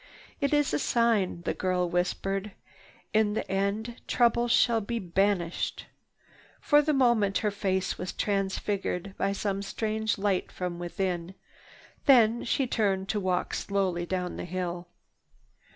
"It is a sign," the girl whispered. "In the end troubles shall be banished!" For the moment her face was transfigured by some strange light from within. Then she turned to walk slowly down the hill.